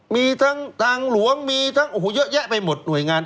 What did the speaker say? มีทั้งทางหลวงมีทั้งโอ้โหเยอะแยะไปหมดหน่วยงาน